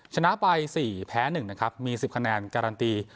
ชนะไปสี่แพ้หนึ่งนะครับมีสิบคะแนนการันตี